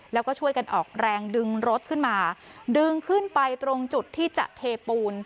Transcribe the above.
แล้วก็ช่วยกันออกแรงดึงรถขึ้นมาดึงขึ้นไปตรงจุดที่จะเทปูน